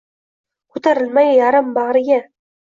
Koʼtarilmay yarim bagʼriga